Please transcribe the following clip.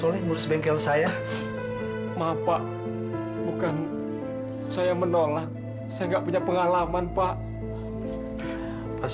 oleh ngurus bengkel saya maaf pak bukan saya menolak saya nggak punya pengalaman pak pas